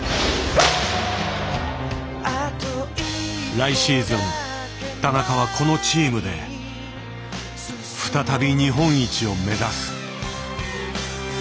来シーズン田中はこのチームで再び日本一を目指す。